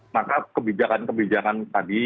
maka kebijakan kebijakan tadi